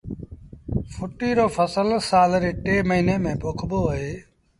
ڦٽيٚ رو ڦسل سآل ري ٽي موهيݩي ميݩ پوکبو اهي